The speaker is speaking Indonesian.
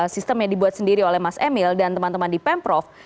sistem yang dibuat sendiri oleh mas emil dan teman teman di pemprov